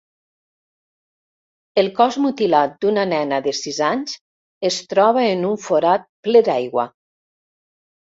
El cos mutilat d'una nena de sis anys es troba en un forat ple d'aigua.